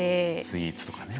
スイーツとかね。